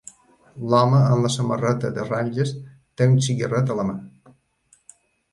L"home amb la samarreta de ratlles té un cigarret a la mà.